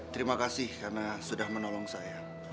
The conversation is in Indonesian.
terima kasih karena sudah menolong saya